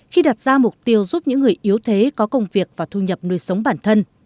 khi đặt ra mục tiêu giúp những người yếu thế có công việc và thu nhập nuôi sống bản thân